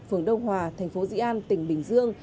phường đông hòa thành phố dĩ an tỉnh bình dương